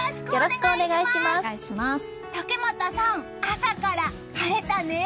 よろしくお願いします！